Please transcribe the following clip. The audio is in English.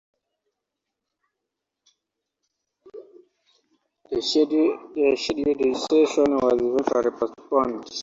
The scheduled session was eventually postponed.